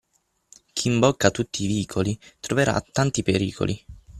Chi imbocca tutti i vicoli, troverà tanti pericoli.